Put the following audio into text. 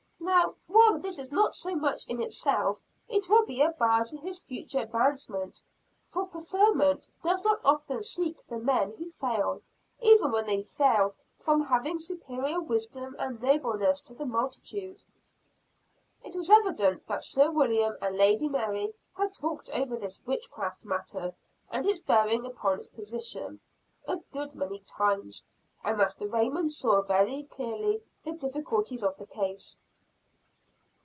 Now, while this is not so much in itself, it will be a bar to his future advancement for preferment does not often seek the men who fail, even when they fail from having superior wisdom and nobleness to the multitude." It was evident that Sir William and Lady Mary had talked over this witchcraft matter, and its bearing upon his position, a good many times. And Master Raymond saw very clearly the difficulties of the case.